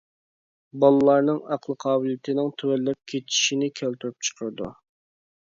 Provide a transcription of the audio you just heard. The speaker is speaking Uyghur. بالىلارنىڭ ئەقلى قابىلىيىتىنىڭ تۆۋەنلەپ كېتىشىنى كەلتۈرۈپ چىقىرىدۇ.